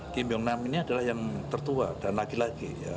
kim jong nam ini adalah yang tertua dan laki laki